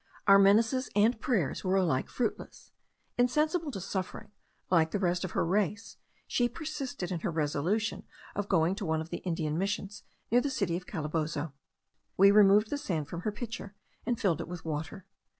Our menaces and prayers were alike fruitless; insensible to suffering, like the rest of her race, she persisted in her resolution of going to one of the Indian Missions near the city of Calabozo. We removed the sand from her pitcher, and filled it with water.